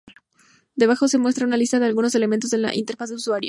Debajo se muestra un lista de algunos elementos de la interfaz de usuario.